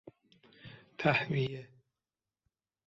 تﮩویه